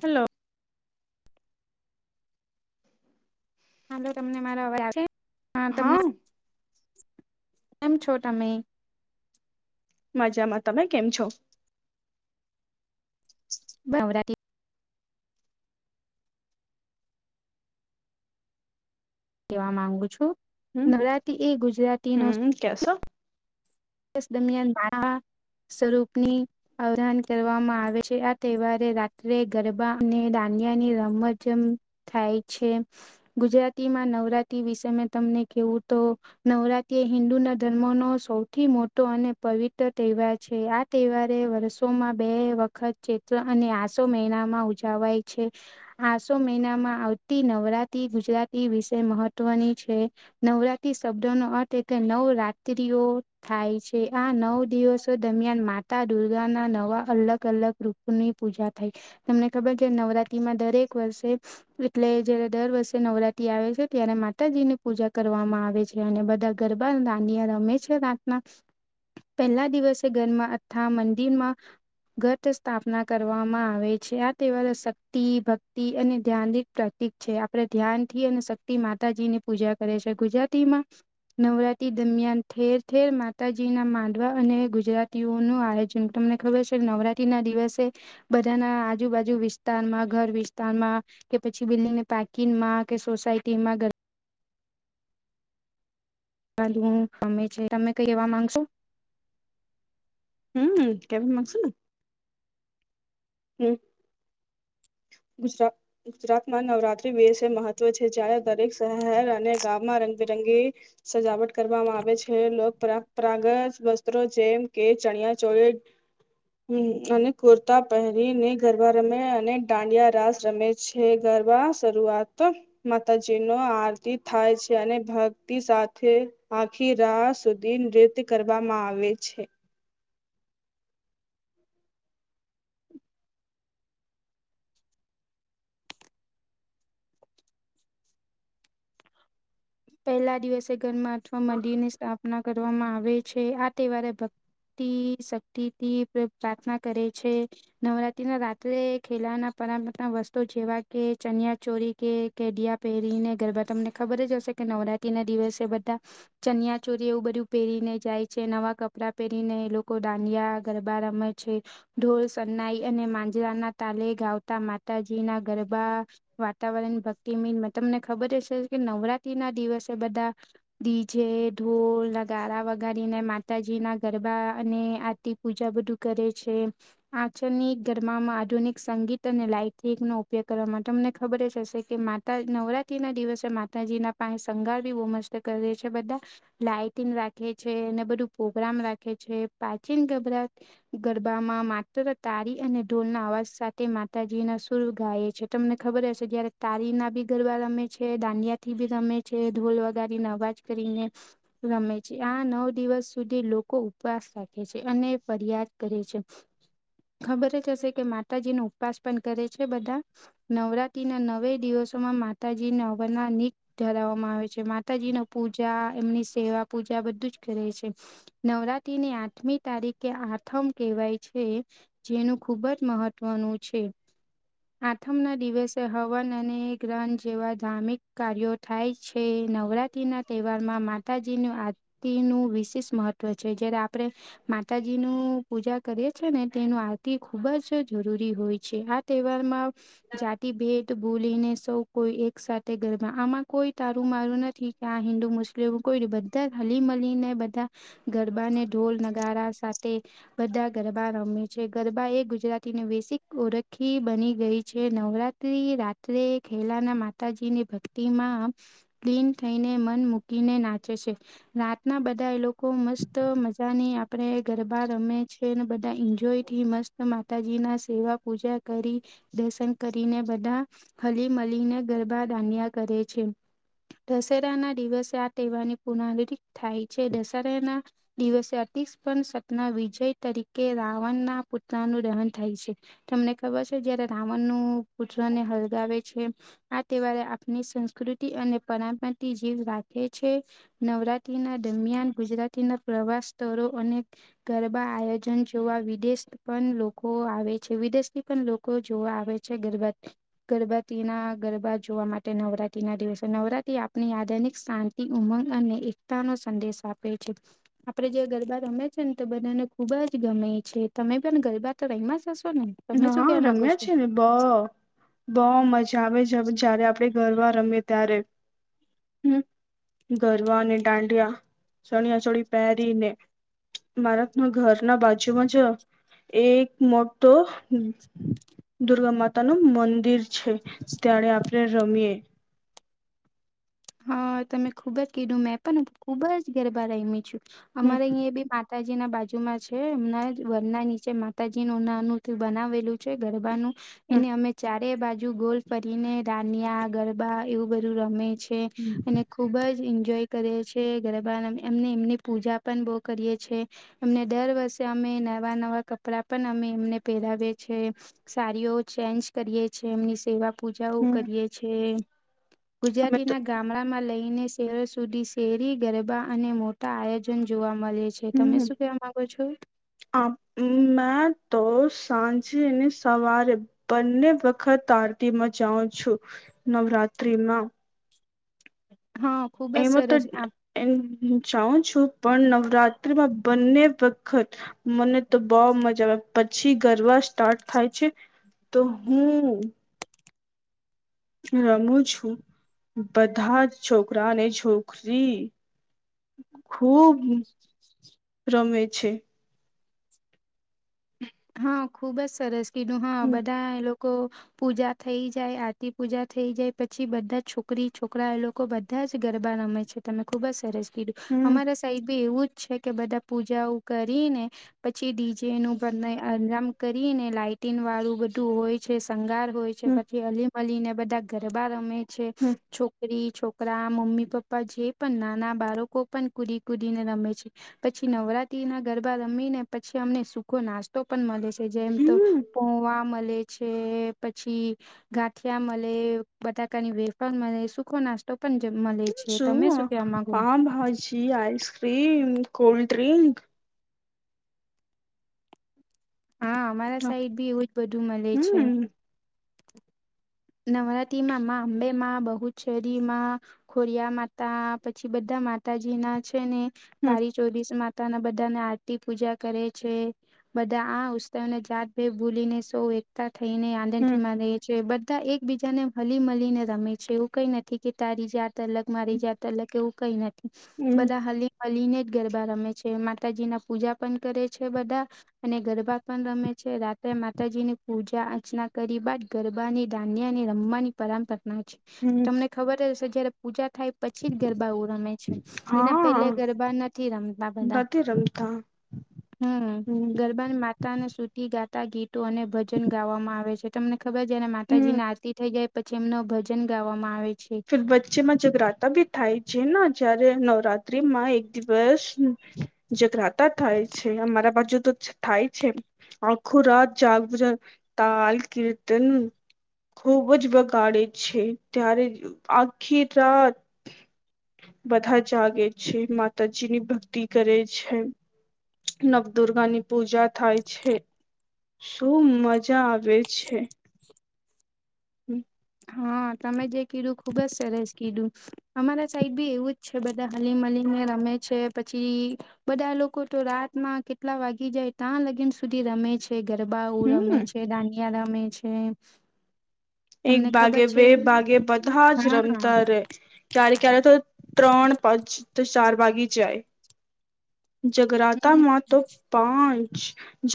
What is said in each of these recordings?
Hello. હાલો તમને મારાવા છે? હા તમને કેમ છો તમે? મજામાં તમે કેમ છો? ભાવરાતી [unintelligible] કેવા માંગુ છું, હમ નવરાતી એ ગુજરાતી નો હમ કસો? દરમિયાન સ્વરૂપની- અવાન કરવામાં આવે છે આ તહેવારે રાત્રે ગરબા અને દાડીનિયાની રમજમ થાય છે, ગુજરાતીમાં નવરાત્રી વિશે મેં તમને કેવું તો નવરાત્રી એ હિન્દુ ના ધર્મનો સૌથી મોટો અને પવિત્ર તહેવાર છે આ તહેવારે વર્ષોમાં બે વ ખત ચૈત્ર અને આસો મહિનામાં ઉજાવાય છે. આસો મહિનામાં આવતી નવરાત્રી ગુજરાતી વિશે મહત્વની છે. નવરાત્રી શબ્દો નો અર્થ એટલે નવરાત્ર્રીઓ. થાય છે આ નવ દિવસો દરમિયાન માતા દુર્ગાના નવા અલગ અલગ રૂપ ની પૂજા થાય, તમને ખબર છે નવરાત્રીમાં દરેક વર્ષે એટલે જયારે દર વર્ષે નવરાત્રી આવે છે ત્યારે માતાજીની પૂજા કરવામાં આવે છે. અને બધા ગરબા દાડીયા રમે છે રાતના. પહેલા દિવસે ઘરમાં અથા મંદિરમાં ગટ સ્થાપના કરવામાં આવે છે આ તેવા શક્તિ ભક્તિ અને ધ્યાન ઠક છે આપડે ધ્યાનથી અને શક્તિ માતાજીની પૂજા કરે છે ગુજરાતીમાં નવરાત્રી દરમિયાન ઠેર ેર માતાજીના માંડવા અને ગુજરાતીઓનું આયોજન તમને ખબર છે નવરાત્રી ના દિવસે બધાના આજુબાજુ વિસ્તારમાં ઘર વિસ્તારમાં. કે પછી બિલ્ડીંગને પાર્કિંગગમાં કે સોસાયટી માં ક હું તમે છે તમે કઈ એવા માંગશો? હમ કેમ માંગસુ ને. હમ. ગુજરાત ગુજરાતમાં નવરાત્રી વિશે મહત્વ છે જય્યારે દરેક શહેર અને ગામમાં રંગબેરંગી સજાવટ કરવામાં આવે છે લોક પરંપરાગત વસ્ત્રો જેમ કે ચણિયાચોળી. હમ અને કુર્તા પહેરીને ગરબા રમે અને દાંડિયા રાસ રમે છે ગરબા શરૂઆત માતાજીનો આરતી થાય છે અને ભક્તિ સાથે આખી રાહ સુધી નૃત્ય કરવામાં આવે છે. પહેલા દિવસે ઘરમાં અથવા મંદિરની સ્થાપના કરવામાં આવે છે આ તહેવારે ભક્તિ શક્તિથી પ્રાર્થના કરે છે. નવરાત્રીના રાત્રે ખેલાના પરપ વસ્તુ જેવા કે ચનિયાચોરી કે કેડિયા પહેરીને ગરબા તમને ખબર જ હશે કે નવરાત્રી ના દિવસે બધા ચનિયા ચોરી એવું બધું પહેરીને જાય છે નવા કપડાં પહેરીને એ લોકો ડાંડિયા ગરબ રમે છે. ઢોળ સન્નાઈ અને માંજરાના તાલે ગાવતા માતાજી ના ગરબા વાતાવરણ ભક્તિમિન તમને ખબર હશે કે નવરાત્રી ના દિવસે બધા ડીજે ઢોળ લગારા વગારીને માતાજી ના ગરબા અને આ પૂજા બધું કરે છે. આચળની ગરમામાં આધુનિક સંગીત અને લાઈટ નો ઉપયોગ કરવા માટે તમને ખબર જ હશે કે નવરાત્રી ના દિવસે માતાજીના પાસે શંગાર બી બહુ મસ્ત કરીે છે બધા લાાઈટિંગ રાખે છે અનેને બધું પ્રગ્રામ રાખે છે, પ્રાચીન ગબરાત ગરબામાં માત્ર તારી અને ઢોલ ના અવાજ સાથે માતાજી ના સુર ગાય છે. તમને ખબર હશે જયારે તારી ના બી ગરબા રમે છે, દાંડિયા થી બી ગમે છે ઢોલ વગારીને અવાજ કરીને રમે છે, આ નવ દિવસ સુધી લોકો ઉપવાસ રાખે છે અને ફરિયાદ કરે છે. ખબર જ હશે કે માતાજી ન ઉપવાસ પણ કરે છે, બધા નવરાત્રી ના નવે દિવસો માં માતાજીને અવરના નીત ધરાવવામાં આવે છે. માતાજી ન પૂજા એમની સેવા પૂજા બધું જ કરે છે, નવરાત્ર ની આઠમી તારીખે આથમ કહેવાય છે. જેનું ખુબ જ મહત્વનું છે. આથમ ના દિવસે હવન અને ગ્રન જેવા ધાર્મિક કાર્યો થાય છે નવરાત્રી ના તહેવારમાં માતાજીનું આ નું વિશેષ મહત્વ છે, જયારે આપણે માતાજી નું પૂજા કરે છે ને તેનું આરતી ખુબ જ જરૂરી હોય છે, આ તહેવારમાં જાતિ ભેટ ભૂલીને સૌ કોઈ એક સાથે ગરબા આમાં કોઈ તારું મારું નથી કે આ હિન્દુ મુસ્લિમ કોઈ બધા હલી મીલી ને બધા ગરબાને ઢોલ નગારા સાથે બધા ગરબા રમે છે, ગરબા એ ગુજરાતીને વૈેશિક ઓળખી બની ગઈ છે, નવરાત રાત્રે ખેલાના માતાજી ની ભક્તિ માં ક્લીન થઈને મન મૂકીને નાચે છે. રાતના બધા એ લોકો મસ્ત મજાની આપડે ગરબા રમે છે. છેને બધા એન્જોય થી મસ્ત માતાજી ના સેવા પૂજા કરી દર્શન કરીને બધા હલીમલીને ગરબા દાન્યા કરે છે. દશેરા ના દિવસે આ તહેવારની પુનાવ થાય છે, દશેરાના દિવસે અતિસ્પ સપના વિજય તરીકે રાવણના પુત્રનું દહન થાય છે. તમને ખબર છે જયારે રાવણ નું પુત્રને હલગાવે છે? આ તહેવારે આપણી સંસ્કૃતિ અને પરંપરાની જીવ રાખે છે. નવરાત્રી ના દરમિયાન ગુજરાતીના પ્રવાસ સ્થરો અને ગરબા આયોજન જોવા વિદેશ પણ લોકો આવે છે વિદેશ થી પણ લોકો જોવા આવે છે, ગરબત ગરબાતી ના ગરબા જોવા માટે નવરાત્ર ના દિવસે નવરાત્રી આપની આધનિક શાંતિ ઉમંગ અને એકતા નો સંદેશ આપે છે. આપડે જે ગરબા રમે છે ને તો બંનેને ખુબ જ ગમે છે તમે પણ ગરબા તો રહીમાં જ હશો ને? તમે શું હા, કેવા માંગો રમ્યા છો? છે ને બહ બહ મજા આવે જારે આપડણે ઘરવા રમીએ ત્યારે હમ્મ ગરબ અને દાંડિયા ચણિયા ચોળી. પહેરીને મારા ઘરના બાજુમાં જ એક મો તો હ દુર્ગા માતા ન મંદિર છે, ત્યારે આપણે રમીએે. હા, તમે ખુબ જ કીધું મેં પણ ખુબ જ ગરબા રહીમી છું. હમ અમારે અહીં એ બી માતાજી ના બાજુમાં છે. એમના વરના નીચે માતાજી ન નાનું બનાવેલું છે ગરબાનું હમ એને અમે ચારે બાજુ ગોલ કરીરીને રાનિયા ગરબા એવું બધું રમે છે. અને ખુબ જ એન્જોય કરીએ છે, ગરબા એમને એમની પૂજા પણ બો કરીએ છે. એમને દર વર્ષે અમે નવા નવા કપડા પણ અમે એમને પહેરાવીએ છે. સારીઓ ચેન્જ કરીએે છીએ એમની સેવા પૂજાઓ હમ કરીએ છે, અમે તો ગુજરાતીના ગામડામાં લઈને શહેરો સુધી શેરી ગરબા અને મોટા આયોજન જોવા મલે છે. તમે હમ શું કેવા માંગો છો? આ મેં તો સાંજે ને સવારે બંને વખત આરતીમાં જાાવુ છું નવરાત્રીમાં હા. ખુબ જ એમાં તો સરસ આપ જાઉ છું પણ નવરાત્રીમાં બંને વખત મને તો બો મજા આવે પછી ગરબા સ્ટાર્ટ થાય છે, તો હું રમું છું બધા જ છોકરાને છોકરી ખુબ રમે છે. હા ખુબ જ સરસ કીધું હા હમ બધા એ લોકો પૂજા થઈ જાય આરતી પૂજા થઈ જાય પછી બધા છોકરી છોકરા એ લોકો બધા જ ગરબા રમે છે. તમે ખુબ જ સરસ કીધું હમ અમારા સાઈબી એવું જ છે કે બધા પૂજાઓ કરીને પછી ડીજેનું આજમ કરી ને લાઇટિન વાળું બધું હોય છે, શંગાર હોય છે, હમ પછી અલીમ મળીને બધા ગરબા રમે છે, હમ છોકરી છોક રા મમ્મી પપ્પા જે પણ નાના બાળકો પણ કુદી કુદીને રમે છે. પછી નવરાત્રી ના ગરબા રમી ને પછી અમને સુખો નાસ તો પણ મલે છે, જેમ તો હમ પોવા મલે છે, પછી ગાંઠિયા મલે બટાકાની વેફળ મલે સુખો નાસ્તો પણ મલે છું પાઉભાજી, આઈસ્ક્ર્રીમ, કોલ્ડ ડ્રિંક હા અમારા હમ સાઈડ બી એવું જ બધું મલે છે. હમ નવરાત્રીમાં માં અંબેમાં, બહુચેરીમાં ખોરિયા માતા પછી બધા માતાજીના છે ને કાળી ચોરીસ મા તાના બધાને આરતી પૂજા કરે છે. બધા આ ઉત્સવ ને જાત ભે ભૂલી ને સૌ એકતા થઈને હમ આનંદથી માને છે બધા એકબીજાને હલી મલીને રમે છે, એવું કઈ નથી કે તારી જે તલક મારી જાય તલક એવું કઈ નથી હમ બધા હલી મલી ને જ ગરબા રમે છે, માતાજી ના પૂજા પણ કરે છે બધા અને ગરબા પણ રમે છે, રાત્રે માતાજીની પૂજા અર્ચના કરી બાદ ગરબાની ધાન્યની રમવાની પરંપરાના છે, હમ તમને ખબર હશે જયારે પૂજા થાય પછી જ ગરબા ઓ રમે છે એના હા પેલે ગરબા નથી રમતા બધા નથી રમતા હમ ગર બા માતાને સુતી ગાતા ગીતો અને ભજન ગાવામાં આવે છે, તમને ખબર છે ને હમ તાજી ના આરતી થઈ જાય પછી એમનો ભજન ગાવામાં આવે છે વચ્ચેમાં જગરાતા ભી થાય છે, ને જયારે નવરાત્રીમાં એક દિવસ હ જઘરાતા થાય છે, અમારા બાજુ તો થાય છે, આખું રાત જાગૃત તાલ કીર્તન ખુબ જ બગાડે છે, ત્યારે આખી રાત બધા જાગે જ છે, માતાજી ની ભક્તિ કરે છે. નવદુર્ગાની પૂજા થાય છે. શું મજા આવે છે. હમ. હા તમે જે કીધું ખુબ જ સરસ કીધું અમારા સાઈડ બી એવું જ છે, બધા હલી મલીને રમે છે, પછી બધા લોકો તો રાતમાં કેટલા વાગી જાય ત્યાં સુધી રમે છે? ગરબાઓ હમ રમે છે, દાનિયા રમે છે. એક તમને ખબર ભાગે, છે બે ભાગે, બધા જ હા રમતા રે. ક્યારે ક્યારે તો ત્રણ, પાંચ તો ચાર વાગી જાય. હમ જગરાતામાં. તો પાંચ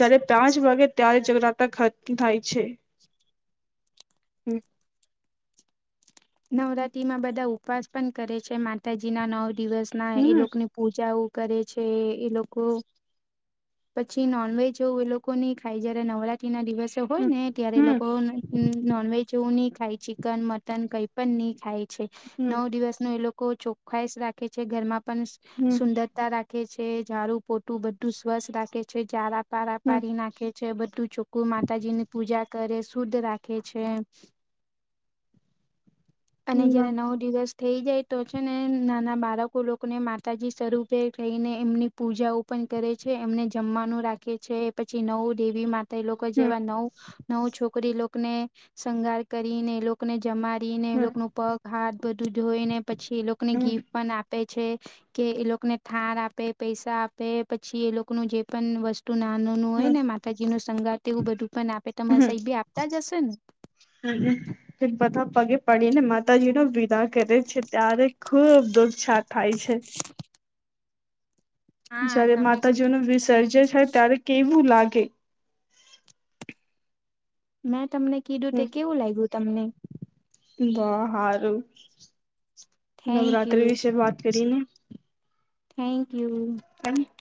જારે, પાંચ વાગે ત્યારે જગરાતા થાય છે. હમ નવરાત્રીમાં બધા ઉપવાસ પણ કરે છે, માતાજી ના નવ દિવસ ના એ હમ લોકોની પૂજાઓ કરે છે એ એ લોકો પછી નોનવેજ એ લોકો ની ખાઈ, જયારે નવરાત્રી ના દિવસે હોય હમ ને ત્યારે એ હમ લોકો એમ નોનવેજ એવું નહીં ખાય, ચિકન મટન કંઈ પઈ નહીં ખાય. છે, હમ નવ દિવસ ન એ લોકો ચોખાઈશ રાખે છે, ઘરમાં પણ હમ સુંદરતા રાખે છે, ઝાડું-પોટું બધું સ્વસ્થ રાખે છે, ઝાડા-પારા હમ પાડી ના રાખે છે, બધું ચોખ્ખું માતાજીની પૂજા કરે, શુદ્ધ રાખે છે. અને જ્યારે હમ ન દિવસ થઈ જાય તો છે ને, નાના બાળકો લોકોને માતાજી સ્વરૂપે થઈને એમની પૂજાઓ પણ કરે છે, એમને જમવાનું રાખે છે, પછી નવ દેવી મા એ લોકો હમ જેવા નવ નવ છોકરી લોકને શૃંગાર કરીને એ લોકો એકને જમારીને, એ લોકો નું પગ હાથ બધું ધોઈને, પછી એ લોકોને હમ ગીફ્ટ પણ આપે. છે કે એ લોકોને થાર આપે, પૈસા આપે, પછી એ લોકનું જે પણ વસ્તુ. હું નાનો નું હોય હમ ને, માતાજી નું શણગાર, તે એવું બધું પણ આપે. તમારા સાહેબી આપતા જ હશે ને? હમમ. તે બધા પગે પડીને માતાજી નો વિદા કરે છે, ત્યારે ખુબ દુખછા થાય છે. શ [unintelligible] જયારે તમે કીધું માતાજીઓ ન વિસર્જ થાય ત્યારે કેવું લાગે. મેં તમને કીધું તે કેવું લાગ્યું તમને? વાહ, હારું. થેન્ક નવરાત્રી યુ વિશે વાત કરીને. Thank you. ત [unintelligible]